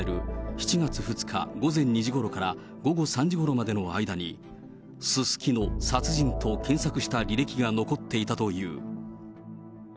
７月２日午前２時ごろから午後３時ごろまでの間に、すすきの・殺人と検索した履歴が残っていたという。